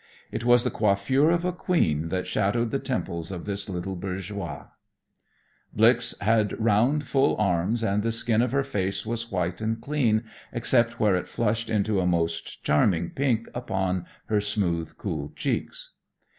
It was the coiffure of a queen that shadowed the temples of this little bourgeoise." Blix had "round, full arms," and "the skin of her face was white and clean, except where it flushed into a most charming pink upon her smooth, cool cheeks."